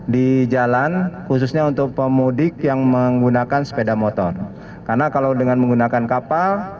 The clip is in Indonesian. di jalan khususnya untuk pemudik yang menggunakan sepeda motor karena kalau dengan menggunakan kapal